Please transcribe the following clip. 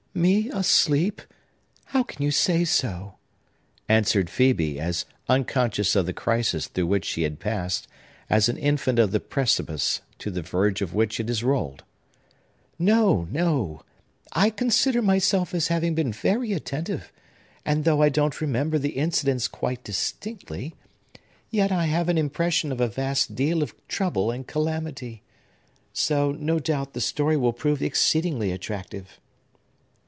"Me asleep! How can you say so?" answered Phœbe, as unconscious of the crisis through which she had passed as an infant of the precipice to the verge of which it has rolled. "No, no! I consider myself as having been very attentive; and, though I don't remember the incidents quite distinctly, yet I have an impression of a vast deal of trouble and calamity,—so, no doubt, the story will prove exceedingly attractive."